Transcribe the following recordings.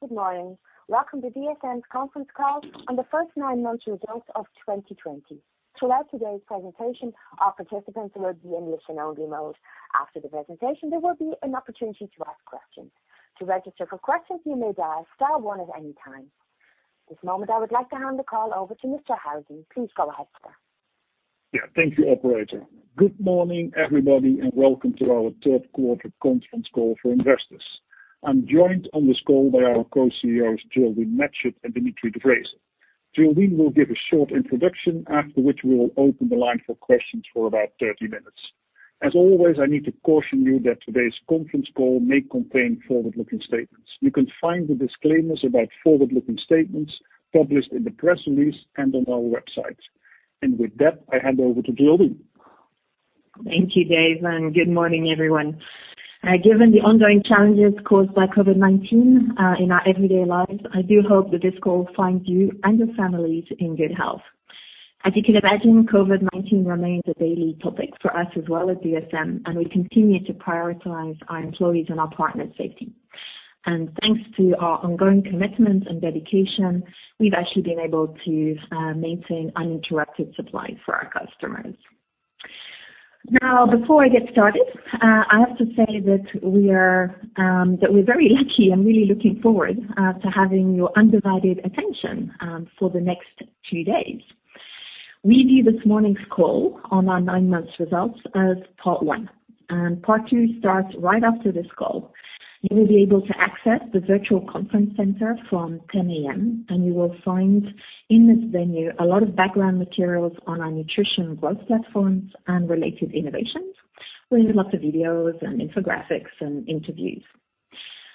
Good morning. Welcome to DSM's conference call on the first nine months results of 2020. Throughout today's presentation, our participants will be in listen-only mode. After the presentation, there will be an opportunity to ask questions. To register for questions, you may dial star one at any time. At this moment, I would like to hand the call over to Mr. Huizing. Please go ahead, sir. Thank you, operator. Good morning, everybody, and welcome to our third quarter conference call for investors. I am joined on this call by our Co-Chief Executive Officers, Geraldine Matchett and Dimitri de Vreeze. Geraldine will give a short introduction, after which we will open the line for questions for about 30 minutes. As always, I need to caution you that today's conference call may contain forward-looking statements. You can find the disclaimers about forward-looking statements published in the press release and on our website. With that, I hand over to Geraldine. Thank you, Dave. Good morning, everyone. Given the ongoing challenges caused by COVID-19 in our everyday lives, I do hope that this call finds you and your families in good health. As you can imagine, COVID-19 remains a daily topic for us as well at DSM. We continue to prioritize our employees' and our partners' safety. Thanks to our ongoing commitment and dedication, we've actually been able to maintain uninterrupted supply for our customers. Now, before I get started, I have to say that we're very lucky and really looking forward to having your undivided attention for the next two days. We view this morning's call on our nine months results as part one. Part two starts right after this call. You will be able to access the virtual conference center from 10:00 A.M., and you will find in this venue a lot of background materials on our nutrition growth platforms and related innovations, with lots of videos and infographics and interviews.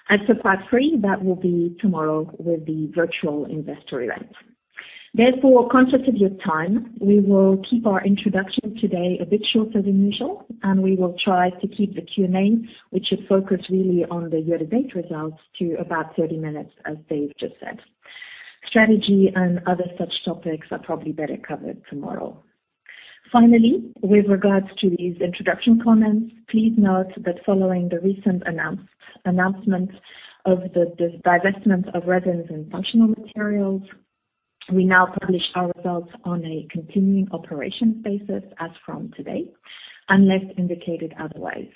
As for part three, that will be tomorrow with the virtual investor event. Therefore, conscious of your time, we will keep our introduction today a bit shorter than usual, and we will try to keep the Q&A, which should focus really on the year-to-date results, to about 30 minutes, as Dave just said. Strategy and other such topics are probably better covered tomorrow. Finally, with regards to these introduction comments, please note that following the recent announcement of the divestment of Resins & Functional Materials, we now publish our results on a continuing operations basis as from today, unless indicated otherwise.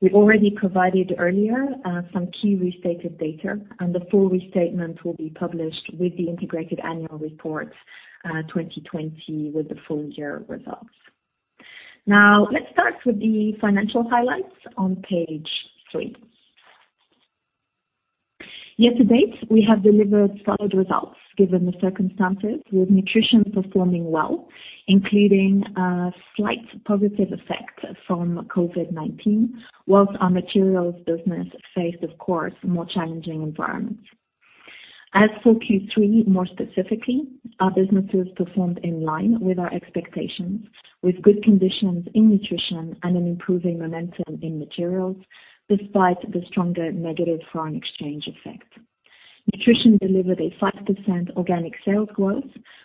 We've already provided earlier some key restated data, and the full restatement will be published with the integrated annual report 2020 with the full-year results. Let's start with the financial highlights on page three. Year-to-date, we have delivered solid results given the circumstances, with Nutrition performing well, including a slight positive effect from COVID-19, whilst our Materials business faced, of course, more challenging environments. As for Q3 more specifically, our businesses performed in line with our expectations, with good conditions in Nutrition and an improving momentum in Materials, despite the stronger negative foreign exchange effect. Nutrition delivered a 5% organic sales growth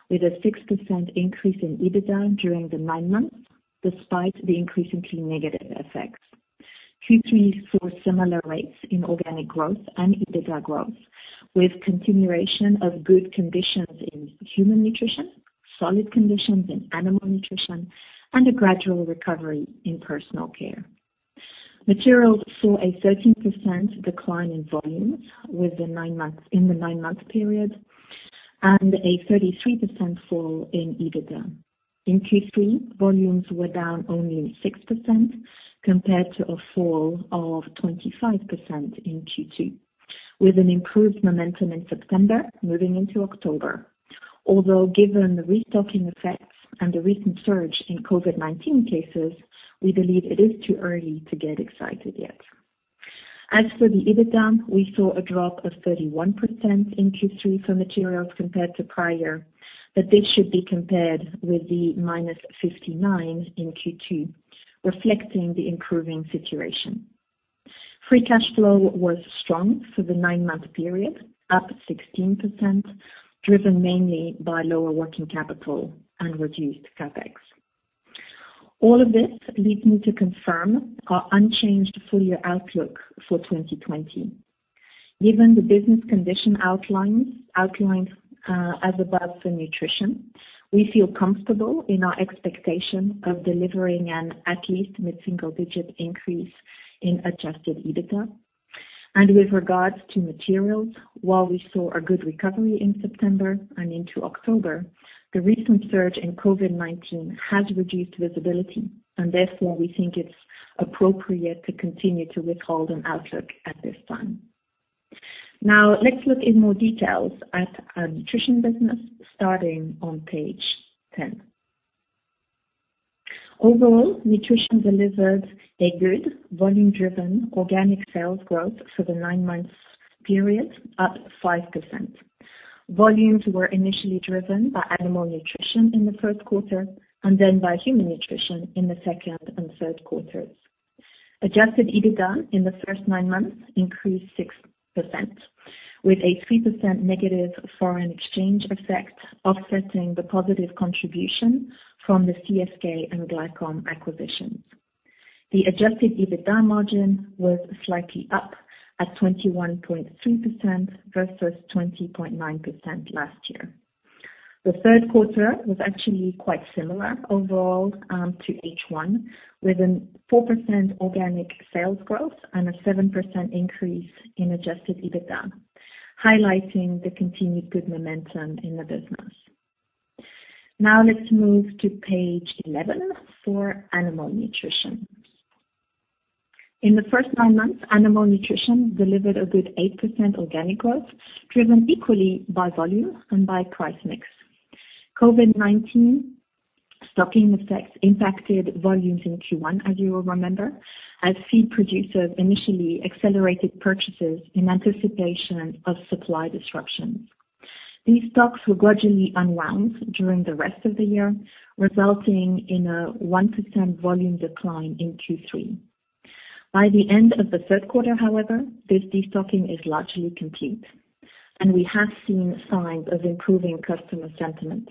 with a 6% increase in EBITDA during the nine months, despite the increasingly negative effects. Q3 saw similar rates in organic growth and EBITDA growth, with continuation of good conditions in Human Nutrition, solid conditions in Animal Nutrition, and a gradual recovery in Personal Care. Materials saw a 13% decline in volumes in the nine-month period, and a 33% fall in EBITDA. In Q3, volumes were down only 6%, compared to a fall of 25% in Q2, with an improved momentum in September moving into October. Although, given the restocking effects and the recent surge in COVID-19 cases, we believe it is too early to get excited yet. As for the EBITDA, we saw a drop of 31% in Q3 for Materials compared to prior, but this should be compared with the -59% in Q2, reflecting the improving situation. Free cash flow was strong for the nine-month period, up 16%, driven mainly by lower working capital and reduced CapEx. All of this leads me to confirm our unchanged full-year outlook for 2020. Given the business condition outlined as above for Nutrition, we feel comfortable in our expectation of delivering an at least mid-single-digit increase in adjusted EBITDA. With regards to Materials, while we saw a good recovery in September and into October, the recent surge in COVID-19 has reduced visibility, and therefore, we think it's appropriate to continue to withhold an outlook at this time. Let's look in more details at our Nutrition business, starting on page 10. Overall, Nutrition delivered a good volume-driven organic sales growth for the nine-month period, up 5%. Volumes were initially driven by Animal Nutrition in the first quarter and then by Human Nutrition in the second and third quarters. Adjusted EBITDA in the first nine months increased 6%, with a 3% negative foreign exchange effect offsetting the positive contribution from the CSK and Glycom acquisitions. The adjusted EBITDA margin was slightly up at 21.3% versus 20.9% last year. The third quarter was actually quite similar overall to H1, with a 4% organic sales growth and a 7% increase in adjusted EBITDA, highlighting the continued good momentum in the business. Now let's move to page 11 for Animal Nutrition. In the first nine months, Animal Nutrition delivered a good 8% organic growth, driven equally by volume and by price mix. COVID-19 stocking effects impacted volumes in Q1, as you will remember, as feed producers initially accelerated purchases in anticipation of supply disruptions. These stocks were gradually unwound during the rest of the year, resulting in a 1% volume decline in Q3. By the end of the third quarter, however, this destocking is largely complete, and we have seen signs of improving customer sentiment.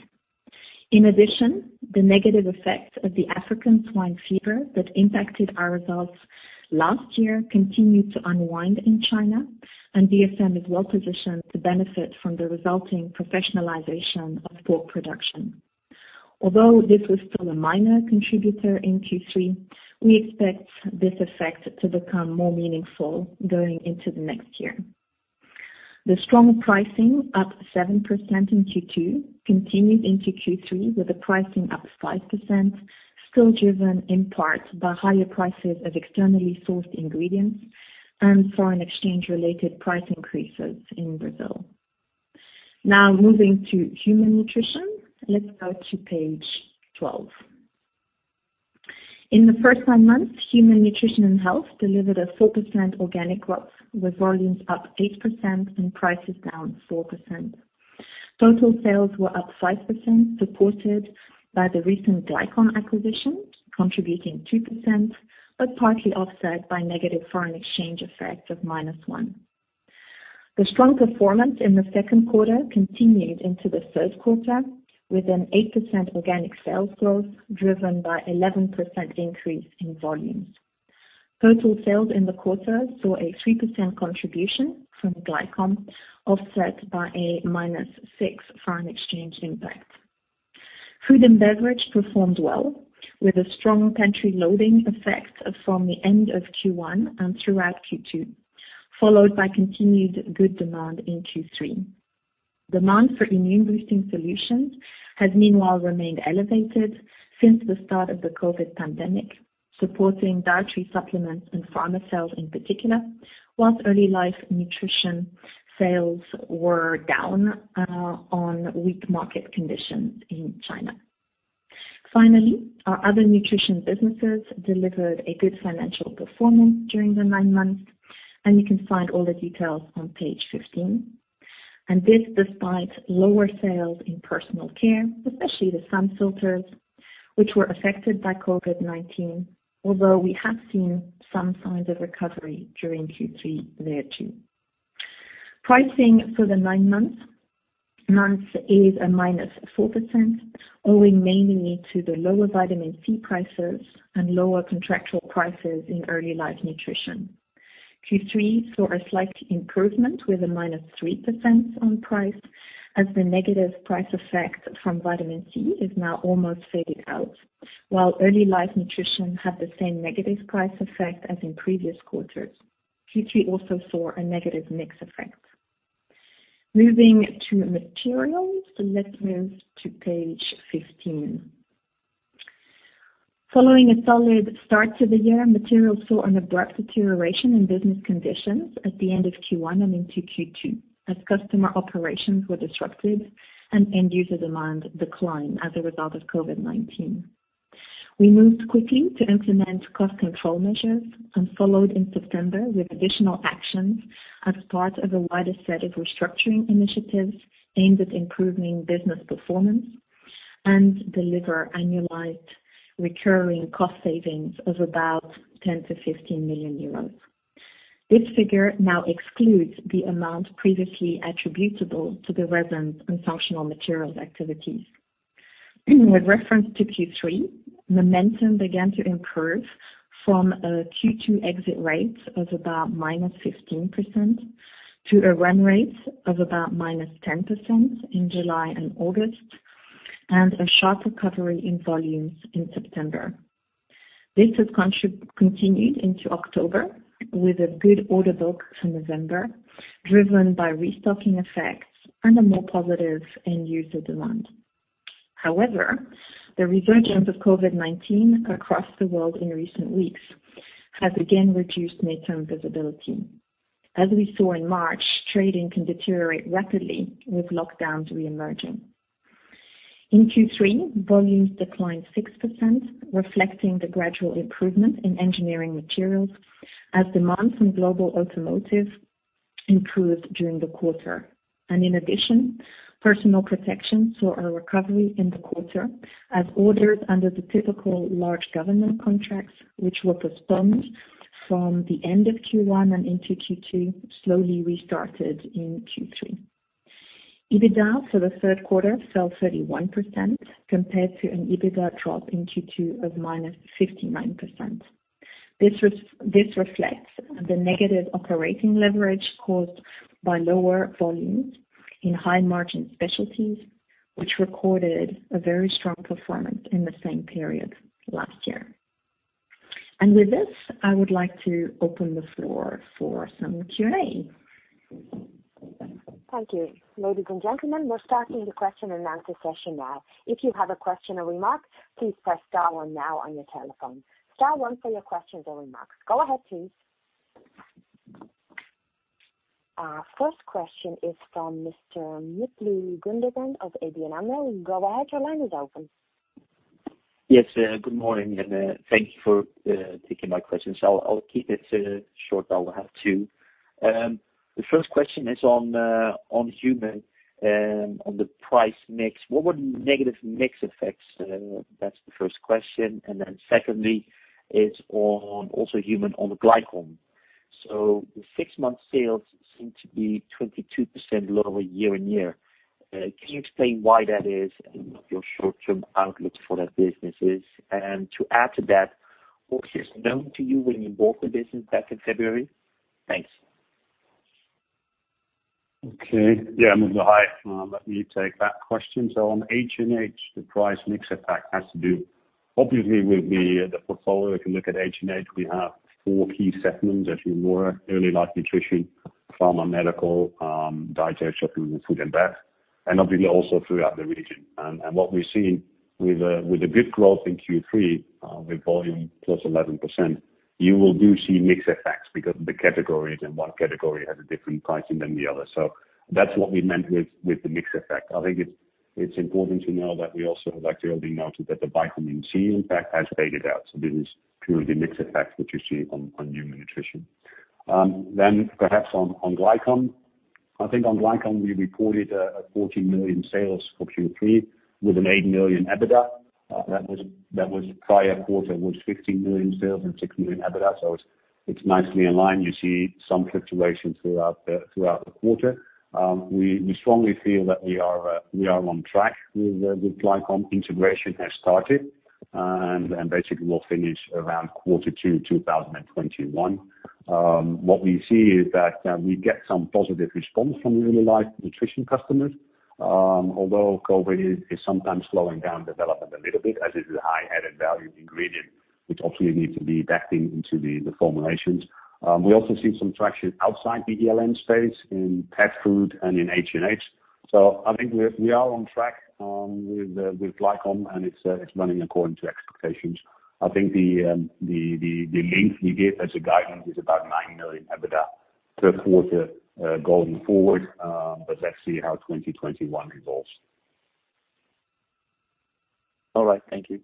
In addition, the negative effects of the African swine fever that impacted our results last year continued to unwind in China, and DSM is well positioned to benefit from the resulting professionalization of pork production. Although this was still a minor contributor in Q3, we expect this effect to become more meaningful going into the next year. The strong pricing, up 7% in Q2, continued into Q3 with the pricing up 5%, still driven in part by higher prices of externally sourced ingredients and foreign exchange related price increases in Brazil. Moving to Human Nutrition. Let's go to page 12. In the first nine months, Human Nutrition and Health delivered a 4% organic growth with volumes up 8% and prices down 4%. Total sales were up 5%, supported by the recent Glycom acquisition, contributing 2%. Partly offset by negative foreign exchange effects of -1%. The strong performance in the second quarter continued into the third quarter with an 8% organic sales growth driven by 11% increase in volumes. Total sales in the quarter saw a 3% contribution from Glycom, offset by a -6% foreign exchange impact. Food and Beverage performed well with a strong pantry loading effect from the end of Q1 and throughout Q2, followed by continued good demand in Q3. Demand for immune boosting solutions has meanwhile remained elevated since the start of the COVID-19 pandemic, supporting dietary supplements and pharma sales in particular, whilst Early Life Nutrition sales were down on weak market conditions in China. Finally, our other nutrition businesses delivered a good financial performance during the nine months. You can find all the details on page 15. This despite lower sales in Personal Care, especially the sun filters, which were affected by COVID-19, although we have seen some signs of recovery during Q3 there too. Pricing for the nine months is a -4%, owing mainly to the lower vitamin C prices and lower contractual prices in Early Life Nutrition. Q3 saw a slight improvement with a -3% on price as the negative price effect from vitamin C is now almost faded out, while Early Life Nutrition had the same negative price effect as in previous quarters. Q3 also saw a negative mix effect. Moving to Materials, let's move to page 15. Following a solid start to the year, Materials saw an abrupt deterioration in business conditions at the end of Q1 and into Q2 as customer operations were disrupted and end user demand declined as a result of COVID-19. We moved quickly to implement cost control measures and followed in September with additional actions as part of a wider set of restructuring initiatives aimed at improving business performance and deliver annualized recurring cost savings of about 10 million-15 million euros. This figure now excludes the amount previously attributable to the Resins & Functional Materials activities. With reference to Q3, momentum began to improve from a Q2 exit rate of about -15% to a run rate of about -10% in July and August, and a sharp recovery in volumes in September. This has continued into October with a good order book for November, driven by restocking effects and a more positive end user demand. However, the resurgence of COVID-19 across the world in recent weeks has again reduced midterm visibility. As we saw in March, trading can deteriorate rapidly with lockdowns re-emerging. In Q3, volumes declined 6%, reflecting the gradual improvement in Engineering Materials as demand from global automotive improved during the quarter. In addition, Personal Protection saw a recovery in the quarter as orders under the typical large government contracts, which were postponed from the end of Q1 and into Q2, slowly restarted in Q3. EBITDA for the third quarter fell 31%, compared to an EBITDA drop in Q2 of -59%. This reflects the negative operating leverage caused by lower volumes in high margin specialties, which recorded a very strong performance in the same period last year. With this, I would like to open the floor for some Q&A. Thank you. Ladies and gentlemen, we are starting the question and answer session now. If you have a question or remark, please press star one now on your telephone. Star one for your questions or remarks. Go ahead, please. Our first question is from Mr. Mutlu Gundogan of ABN AMRO. Go ahead, your line is open. Yes. Good morning, and thank you for taking my questions. I'll keep it short. I will have two. The first question is on Human, on the price mix. What were the negative mix effects? Secondly, it's on also Human on the Glycom. The six months sales seem to be 22% lower year-and-year. Can you explain why that is and what your short-term outlook for that business is? To add to that, was this known to you when you bought the business back in February? Thanks. Okay. Yeah, Mutlu. Let me take that question. On H&H, the price mix effect has to do, obviously, with the portfolio. If you look at H&H, we have four key segments, as you were, Early Life Nutrition, pharma medical, dietary supplements, Food and Beverage, and obviously also throughout the region. What we've seen with the good growth in Q3, with volume plus 11%, you will do see mix effects because of the categories, and one category has a different pricing than the other. That's what we meant with the mix effect. I think it's important to know that we also, like Geraldine noted, that the vitamin C impact has faded out. This is purely mix effects that you see on Human Nutrition. Perhaps on Glycom. I think on Glycom, we reported 14 million sales for Q3 with 8 million EBITDA. That was prior quarter was 15 million sales and 6 million EBITDA. It's nicely in line. You see some fluctuations throughout the quarter. We strongly feel that we are on track with Glycom. Integration has started, and basically will finish around quarter two 2021. What we see is that we get some positive response from Early Life Nutrition customers, although COVID is sometimes slowing down development a little bit, as it is a high added value ingredient, which obviously needs to be backed in to the formulations. We also see some traction outside the ELN space in pet food and in H&H. I think we are on track with Glycom, and it's running according to expectations. I think the link we gave as a guidance is about 9 million EBITDA third quarter going forward. Let's see how 2021 evolves. All right. Thank you.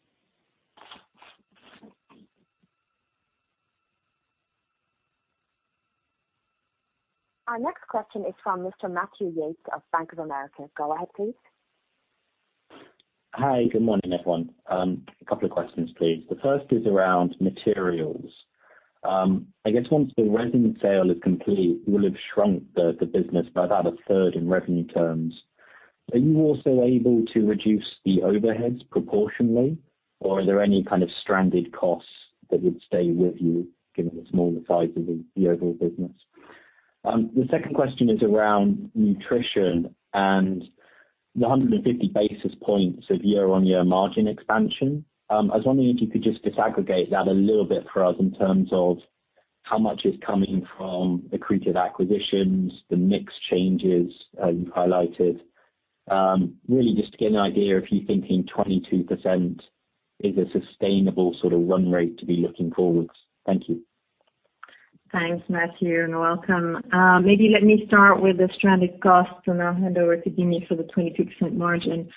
Our next question is from Mr. Matthew Yates of Bank of America. Go ahead, please. Hi. Good morning, everyone. A couple of questions, please. The first is around materials. I guess once the Resin sale is complete, you will have shrunk the business by about a third in revenue terms. Are you also able to reduce the overheads proportionally, or are there any kind of stranded costs that would stay with you given the smaller size of the overall business? The second question is around nutrition and the 150 basis points of year-on-year margin expansion. I was wondering if you could just disaggregate that a little bit for us in terms of how much is coming from accretive acquisitions, the mix changes you've highlighted. Really just to get an idea if you're thinking 22% is a sustainable sort of run rate to be looking forwards. Thank you. Thanks, Matthew, and welcome. Maybe let me start with the stranded costs, and I'll hand over to Dimitri for the 22% margin.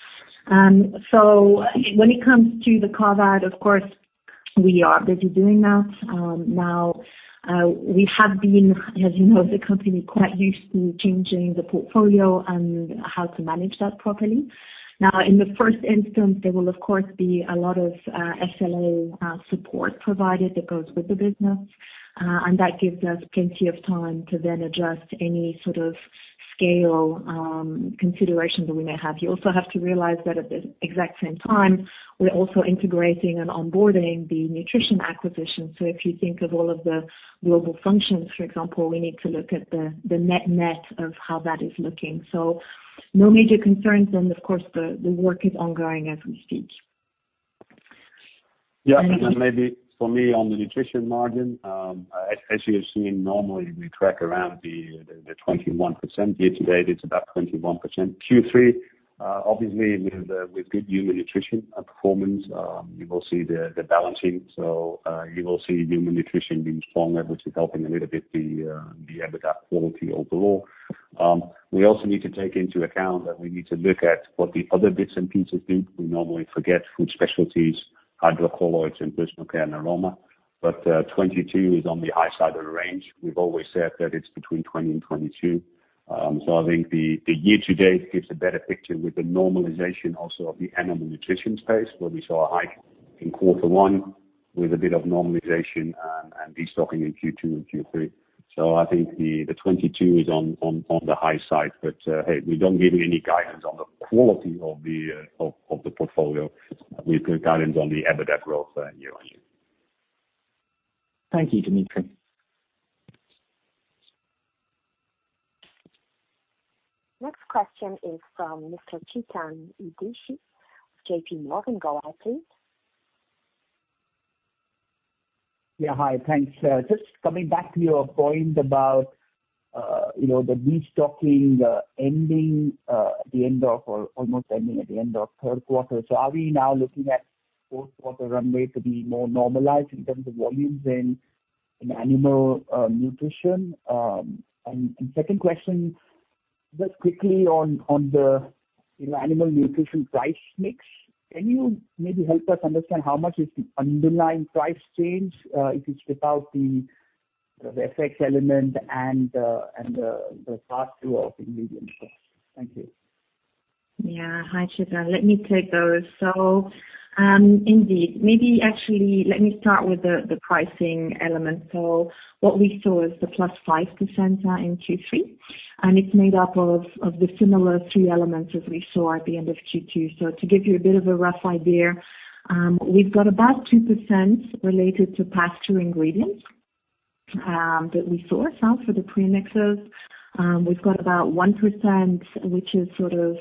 When it comes to the COVID-19, of course, we are busy doing that. We have been, as you know, the company quite used to changing the portfolio and how to manage that properly. In the first instance, there will of course be a lot of SLA support provided that goes with the business, and that gives us plenty of time to then adjust any sort of scale considerations that we may have. You also have to realize that at the exact same time, we're also integrating and onboarding the nutrition acquisition. If you think of all of the global functions, for example, we need to look at the net of how that is looking. No major concerns and of course the work is ongoing as we speak. Yeah. Maybe for me on the nutrition margin, as you have seen, normally we track around the 21%. Year-to-date, it's about 21%. Q3, obviously with good Human Nutrition performance, you will see the balancing. You will see Human Nutrition being strong, that which is helping a little bit the EBITDA quality overall. We also need to take into account that we need to look at what the other bits and pieces do. We normally forget food specialties, hydrocolloids, and Personal Care & Aroma. 22 is on the high side of the range. We've always said that it's between 20 and 22. I think the year to date gives a better picture with the normalization also of the animal nutrition space, where we saw a hike in quarter one with a bit of normalization and destocking in Q2 and Q3. I think the 22 is on the high side, but, hey, we don't give any guidance on the quality of the portfolio. We give guidance on the EBITDA growth year-on-year. Thank you, Dimitri. Next question is from Mr. Chetan Udeshi of J.P. Morgan. Go ahead, please. Yeah. Hi. Thanks. Just coming back to your point about the destocking ending at the end of, or almost ending at the end of third quarter. Are we now looking at fourth quarter runway to be more normalized in terms of volumes in Animal Nutrition? Second question, just quickly on the Animal Nutrition price mix, can you maybe help us understand how much is the underlying price change, if it's without the FX element and the pass-through of ingredients? Thank you. Hi, Chetan. Let me take those. Indeed, maybe actually let me start with the pricing element. What we saw is the +5% in Q3, and it is made up of the similar three elements as we saw at the end of Q2. To give you a bit of a rough idea, we have got about 2% related to pass-through ingredients, that we saw for the premixes. We have got about 1%, which is sort of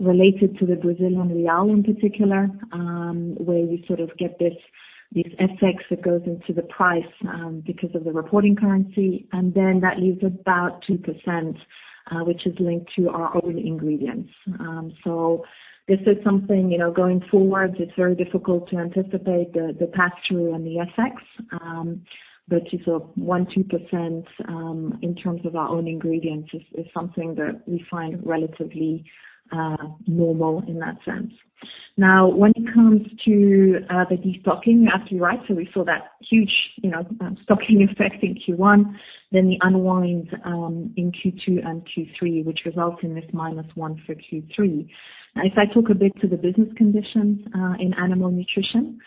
related to the Brazilian real in particular, where we sort of get this FX that goes into the price because of the reporting currency. That leaves about 2%, which is linked to our own ingredients. This is something, going forward, it is very difficult to anticipate the pass-through and the FX. Sort of 1%-2% in terms of our own ingredients is something that we find relatively normal in that sense. When it comes to the destocking, you're absolutely right. We saw that huge stocking effect in Q1, then the unwind in Q2 and Q3, which results in this minus one for Q3. If I talk a bit to the business conditions in Animal Nutrition,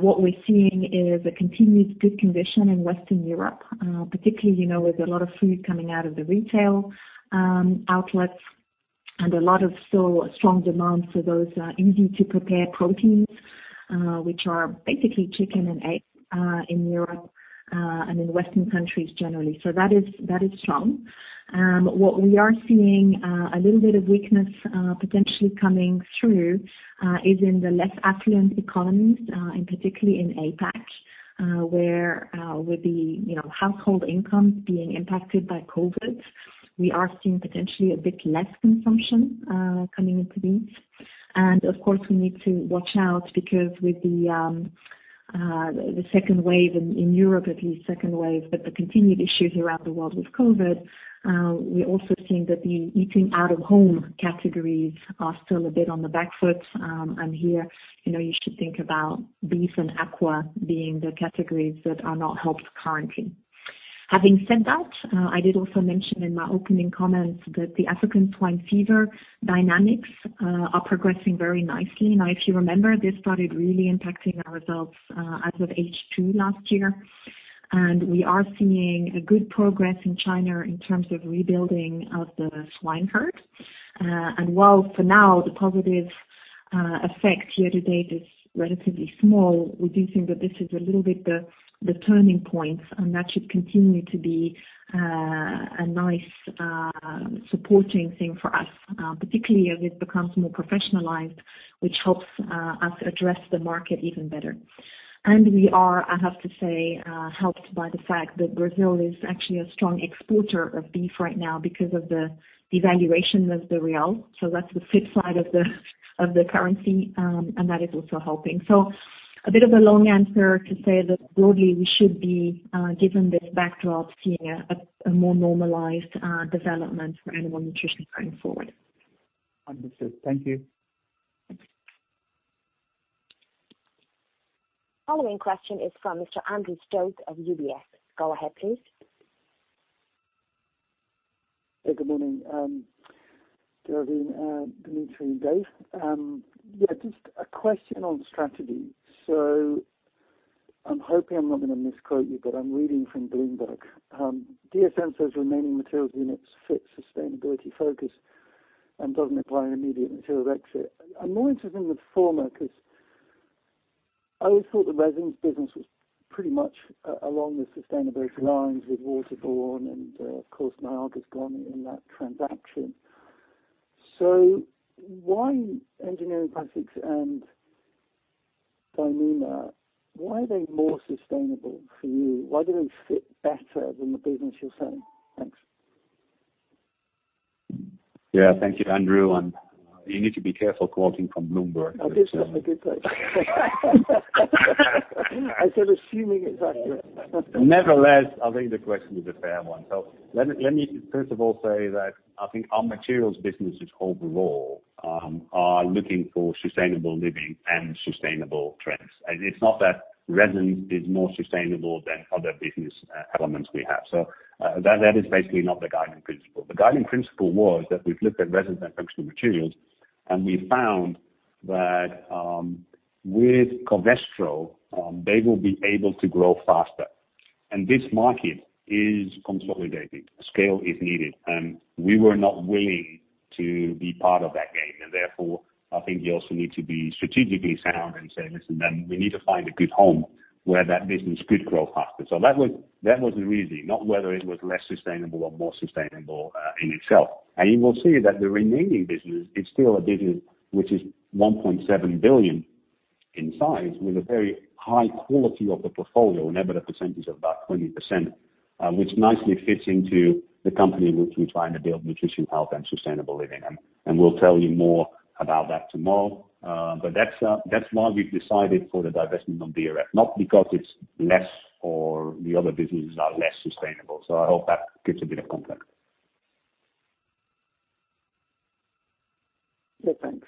what we're seeing is a continued good condition in Western Europe, particularly with a lot of food coming out of the retail outlets and a lot of still strong demand for those easy-to-prepare proteins, which are basically chicken and eggs in Europe, and in Western countries generally. That is strong. What we are seeing a little bit of weakness potentially coming through, is in the less affluent economies, and particularly in APAC, where with the household incomes being impacted by COVID, we are seeing potentially a bit less consumption coming into these. Of course, we need to watch out because with the second wave in Europe, at least second wave, but the continued issues around the world with COVID, we are also seeing that the eating out of home categories are still a bit on the back foot. Here, you should think about beef and aqua being the categories that are not helped currently. Having said that, I did also mention in my opening comments that the African swine fever dynamics are progressing very nicely. Now, if you remember, this started really impacting our results as of H2 last year. We are seeing a good progress in China in terms of rebuilding of the swine herd. While for now the positive effect year to date is relatively small, we do think that this is a little bit the turning point, and that should continue to be a nice supporting thing for us, particularly as it becomes more professionalized, which helps us address the market even better. We are, I have to say, helped by the fact that Brazil is actually a strong exporter of beef right now because of the devaluation of the real. That's the flip side of the currency, and that is also helping. A bit of a long answer to say that broadly, we should be, given this backdrop, seeing a more normalized development for Animal Nutrition going forward. Understood. Thank you. Thanks. Following question is from Mr. Andrew Stott of UBS. Go ahead, please. Hey, good morning. Geraldine, Dimitri, and Dave. Just a question on strategy. I'm hoping I'm not going to misquote you, but I'm reading from Bloomberg. DSM says remaining materials units fit sustainability focus and doesn't apply an immediate material exit. I'm more interested in the former because I always thought the resins business was pretty much along the sustainability lines with waterborne and, of course, Niaga has gone in that transaction. Why engineering plastics and Dyneema, why are they more sustainable for you? Why do they fit better than the business you're selling? Thanks. Yeah. Thank you, Andrew. You need to be careful quoting from Bloomberg. I did put the disclaimer. I said assuming it's accurate. Nevertheless, I think the question is a fair one. Let me first of all say that I think our materials businesses overall are looking for sustainable living and sustainable trends. It's not that resin is more sustainable than other business elements we have. That is basically not the guiding principle. The guiding principle was that we've looked at Resins & Functional Materials, we found that with Covestro, they will be able to grow faster. This market is consolidating. Scale is needed. We were not willing to be part of that game. Therefore, I think you also need to be strategically sound and say, "Listen, we need to find a good home where that business could grow faster." That was the reason, not whether it was less sustainable or more sustainable in itself. You will see that the remaining business is still a business which is 1.7 billion in size with a very high quality of the portfolio and EBITDA percentage of about 20%, which nicely fits into the company which we're trying to build, nutrition, health, and sustainable living. We'll tell you more about that tomorrow. That's why we've decided for the divestment of DRF, not because it's less or the other businesses are less sustainable. I hope that gives a bit of context. Yeah. Thanks.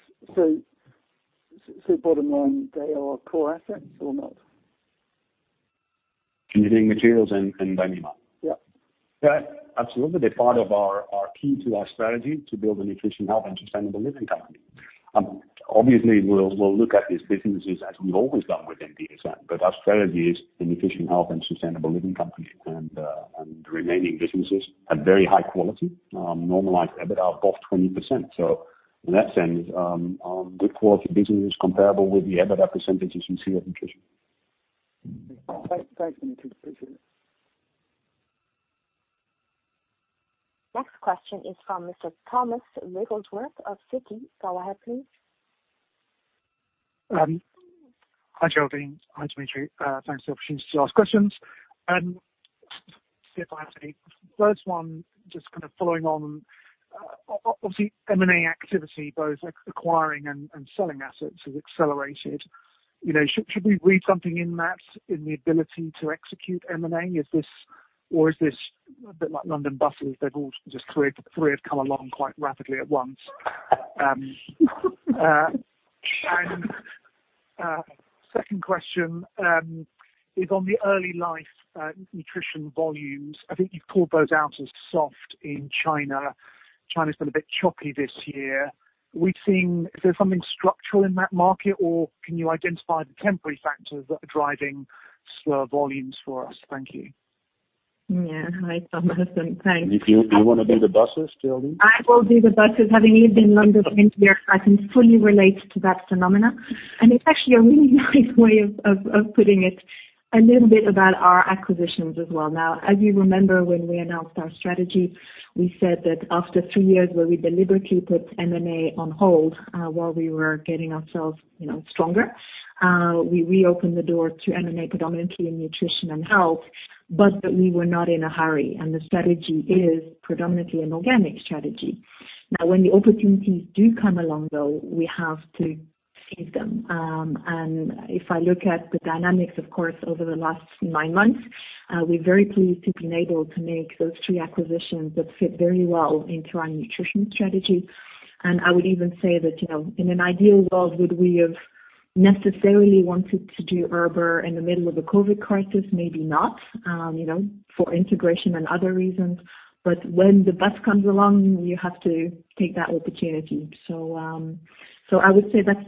Bottom line, they are core assets or not? Engineering Materials and Dyneema. Yeah. Yeah, absolutely. They're part of our key to our strategy to build a nutrition, health, and sustainable living company. Obviously, we'll look at these businesses as we've always done within DSM, but our strategy is a nutrition, health, and sustainable living company. The remaining businesses are very high quality, normalized EBITDA above 20%. In that sense, good quality businesses comparable with the EBITDA percentages you see at Nutrition. Thanks, Dimitri. Appreciate it. Next question is from Mr. Thomas Wrigglesworth of Citi. Go ahead, please. Hi, Geraldine. Hi, Dimitri. Thanks for the opportunity to ask questions. See if I have any. First one, just kind of following on, obviously M&A activity, both acquiring and selling assets has accelerated. Should we read something in that in the ability to execute M&A? Is this a bit like London buses, three have come along quite rapidly at once? Second question is on the Early Life Nutrition volumes. I think you've called those out as soft in China. China's been a bit choppy this year. Is there something structural in that market, or can you identify the temporary factors that are driving slower volumes for us? Thank you. Yeah. Hi, Thomas, and thanks. You want to do the buses, Geraldine? I will do the buses. Having lived in London for 20 years, I can fully relate to that phenomenon. It's actually a really nice way of putting it. A little bit about our acquisitions as well. As you remember, when we announced our strategy, we said that after three years where we deliberately put M&A on hold while we were getting ourselves stronger, we reopened the door to M&A predominantly in Nutrition & Health, but that we were not in a hurry, the strategy is predominantly an organic strategy. When the opportunities do come along, though, we have to seize them. If I look at the dynamics, of course, over the last nine months, we're very pleased to have been able to make those three acquisitions that fit very well into our nutrition strategy. I would even say that, in an ideal world, would we have necessarily wanted to do Erber in the middle of a COVID-19 crisis? Maybe not, for integration and other reasons. When the bus comes along, you have to take that opportunity. I would say that's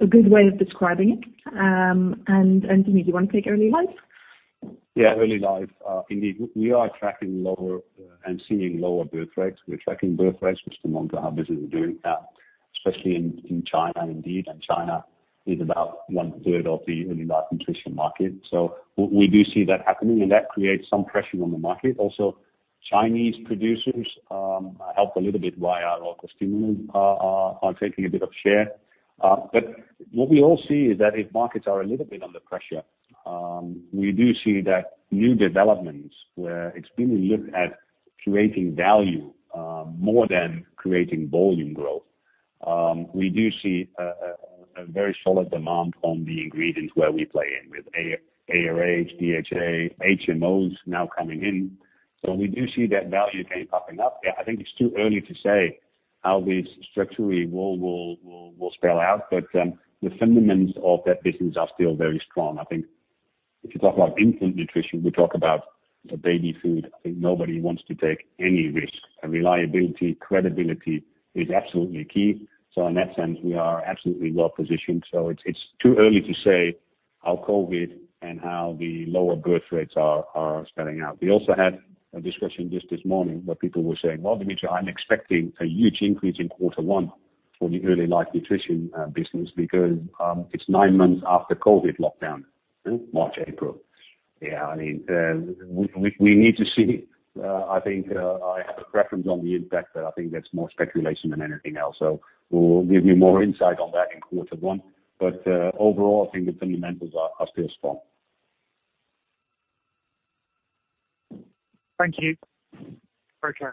a good way of describing it. Dimitri, do you want to take Early Life? Yeah. Early Life. Indeed, we are tracking lower and seeing lower birth rates. We're tracking birth rates, which is among to how business is doing now, especially in China indeed. China is about 1/3 of the Early Life Nutrition market. We do see that happening, and that creates some pressure on the market. Also, Chinese producers, helped a little bit by our local stimulant, are taking a bit of share. What we all see is that if markets are a little bit under pressure, we do see that new developments where it's been looked at creating value more than creating volume growth. We do see a very solid demand on the ingredients where we play in with ARA, DHA, HMOs now coming in. We do see that value chain popping up. I think it's too early to say how this structurally will spell out, but the fundamentals of that business are still very strong. I think if you talk about infant nutrition, we talk about the baby food. I think nobody wants to take any risk. Reliability, credibility is absolutely key. In that sense, we are absolutely well-positioned. It's too early to say how COVID and how the lower birth rates are spelling out. We also had a discussion just this morning where people were saying, "Well, Dimitri, I'm expecting a huge increase in quarter one for the Early Life Nutrition business because it's nine months after COVID lockdown." March, April. We need to see. I think I have a preference on the impact, but I think that's more speculation than anything else. We'll give you more insight on that in quarter one. Overall, I think the fundamentals are still strong. Thank you. Okay.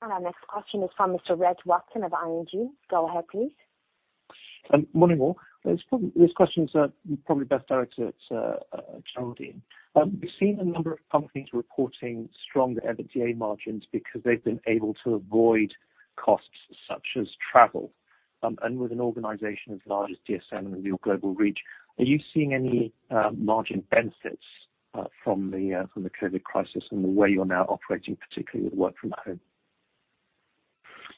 Our next question is from Mr. Reg Watson of ING. Go ahead, please. Morning, all. This question's probably best directed at Geraldine. We've seen a number of companies reporting stronger EBITDA margins because they've been able to avoid costs such as travel. With an organization as large as DSM and with your global reach, are you seeing any margin benefits from the COVID crisis and the way you're now operating, particularly with work from home?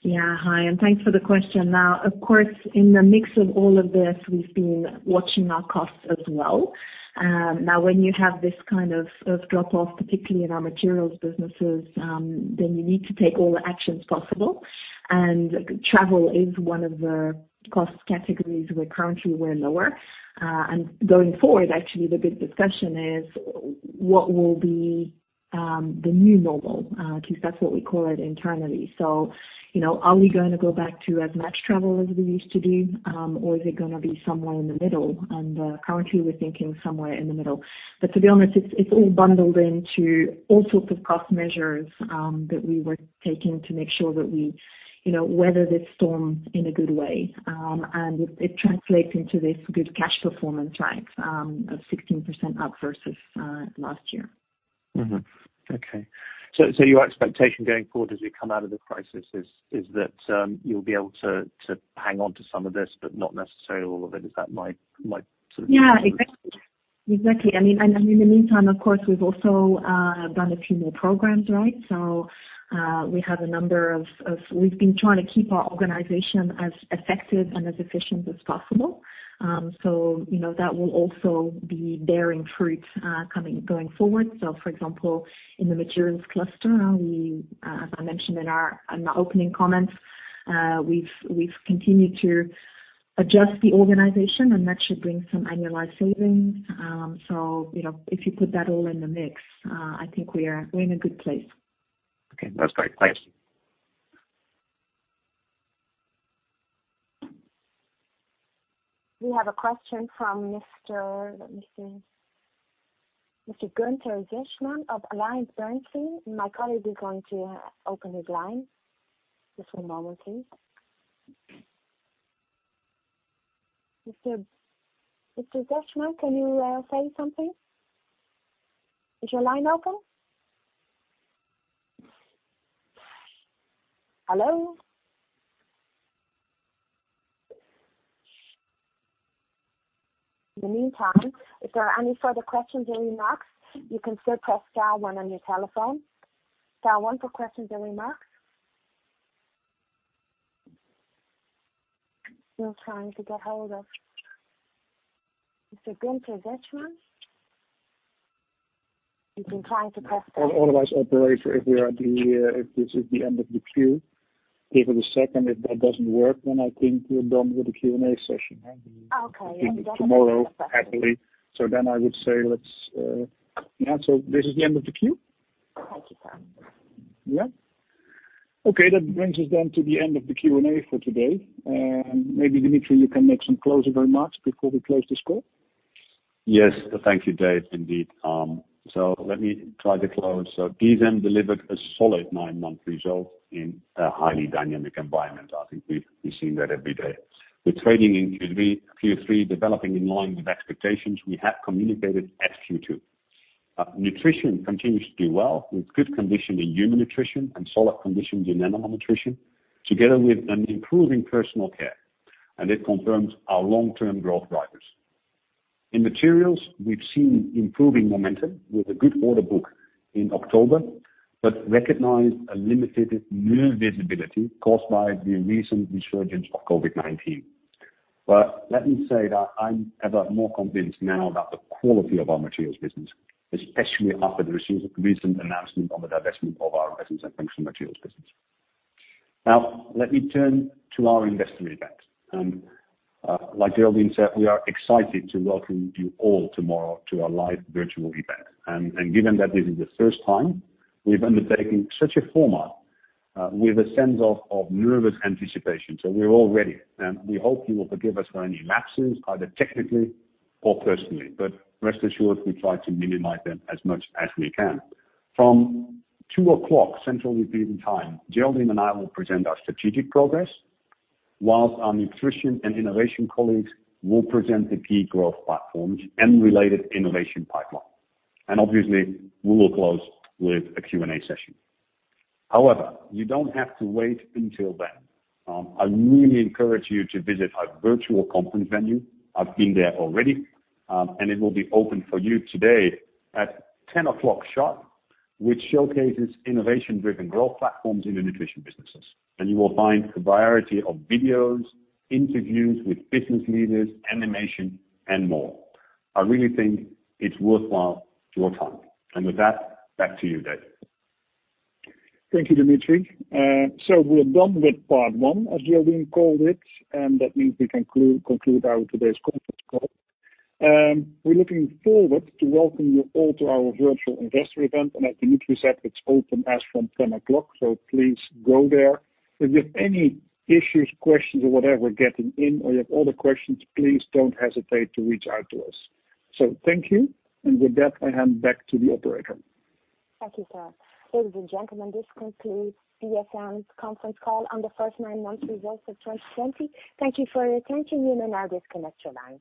Yeah. Hi, and thanks for the question. Of course, in the mix of all of this, we've been watching our costs as well. When you have this kind of drop-off, particularly in our materials businesses, then you need to take all the actions possible. Travel is one of the cost categories where currently we're lower. Going forward, actually, the big discussion is what will be the new normal? At least that's what we call it internally. Are we going to go back to as much travel as we used to do? Is it going to be somewhere in the middle? Currently, we're thinking somewhere in the middle. To be honest, it's all bundled into all sorts of cost measures that we were taking to make sure that we weather this storm in a good way. It translates into this good cash performance of 16% up versus last year. Okay. Your expectation going forward as we come out of the crisis is that you'll be able to hang on to some of this, but not necessarily all of it. Is that my sort of? Yeah, exactly. Exactly. In the meantime, of course, we've also done a few more programs. We've been trying to keep our organization as effective and as efficient as possible. That will also be bearing fruit going forward. For example, in the materials cluster, as I mentioned in my opening comments, we've continued to adjust the organization, and that should bring some annualized savings. If you put that all in the mix, I think we're in a good place. Okay, that's great. Thanks. We have a question from Mr., let me see, Mr. Gunther Zechmann of AllianceBernstein. My colleague is going to open his line. Just one moment, please. Mr. Zechmann, can you say something? Is your line open? Hello? In the meantime, if there are any further questions or remarks, you can still press star one on your telephone. Star one for questions or remarks. Still trying to get hold of Mr. Gunther Zechmann. We've been trying to press star- Otherwise, operator, if this is the end of the queue, give it a second. If that doesn't work, I think we're done with the Q&A session. Okay. I think tomorrow, happily. I would say let's Yeah, this is the end of the queue? I think so. Yeah? Okay, that brings us then to the end of the Q&A for today. Maybe Dimitri, you can make some closing remarks before we close this call? Yes. Thank you, Dave, indeed. Let me try to close. DSM delivered a solid nine-month result in a highly dynamic environment. I think we've seen that every day. We're trading in Q3, developing in line with expectations we have communicated at Q2. Nutrition continues to do well, with good condition in Human Nutrition and solid conditions in Animal Nutrition, together with an improving Personal Care. It confirms our long-term growth drivers. In materials, we've seen improving momentum with a good order book in October, but recognize a limited new visibility caused by the recent resurgence of COVID-19. Let me say that I'm ever more convinced now about the quality of our materials business, especially after the recent announcement on the divestment of our Resins & Functional Materials business. Let me turn to our investor event. Like Geraldine said, we are excited to welcome you all tomorrow to our live virtual event. Given that this is the first time we've undertaken such a format, with a sense of nervous anticipation. We're all ready, and we hope you will forgive us for any lapses, either technically or personally. Rest assured, we try to minimize them as much as we can. From 2:00 Central European Time, Geraldine and I will present our strategic progress, whilst our nutrition and innovation colleagues will present the key growth platforms and related innovation pipeline. Obviously, we will close with a Q&A session. However, you don't have to wait until then. I really encourage you to visit our virtual conference venue. I've been there already. It will be open for you today at 10:00 sharp, which showcases innovation-driven growth platforms in the nutrition businesses. You will find a variety of videos, interviews with business leaders, animation, and more. I really think it's worthwhile your time. With that, back to you, Dave. Thank you, Dimitri. We're done with part one, as Geraldine called it, and that means we conclude our today's conference call. We're looking forward to welcoming you all to our virtual investor event. As Dimitri said, it's open as from 10:00 o'clock. Please go there. If you have any issues, questions, or whatever getting in, or you have other questions, please don't hesitate to reach out to us. Thank you. With that, I hand back to the operator. Thank you, sir. Ladies and gentlemen, this concludes DSM's conference call on the first nine months results of 2020. Thank you for your attention. You may now disconnect your lines.